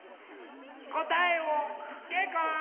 こたえをけいくん！